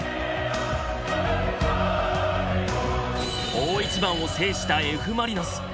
大一番を制したＦ・マリノス。